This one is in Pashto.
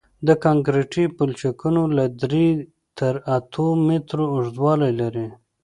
کانکریټي پلچکونه له درې تر اتو مترو اوږدوالی لري